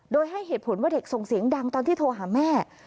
โดยให้เหตุผลว่าเด็กส่งเสียงดังตอนที่โทรหาแม่